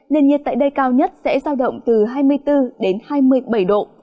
nền nhiệt tại đây cao nhất sẽ giao động từ hai mươi bốn đến hai mươi bảy độ